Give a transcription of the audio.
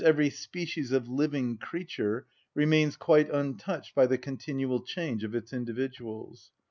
_, every species of living creature remains quite untouched by the continual change of its individuals.